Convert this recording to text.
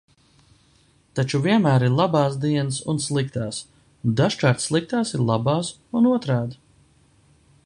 Taču vienmēr ir labās dienas un sliktās, un dažkārt sliktās ir labās un otrādi.